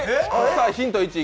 ヒント１。